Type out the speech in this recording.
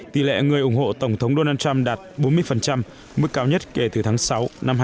tỷ lệ người ủng hộ tổng thống donald trump đạt bốn mươi mức cao nhất kể từ tháng sáu năm hai nghìn một mươi